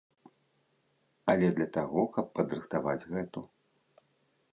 Але для таго, каб падрыхтаваць гэту.